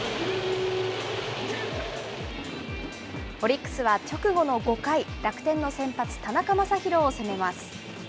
オリックスは直後の５回、楽天の先発、田中将大を攻めます。